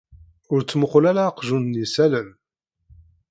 Ur ttmuqqul ara aqjun-nni s allen.